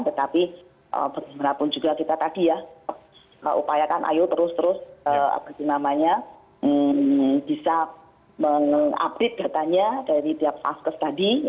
tetapi berkenaan pun juga kita tadi ya upayakan ayo terus terus apapun namanya bisa mengupdate datanya dari tiap satgas tadi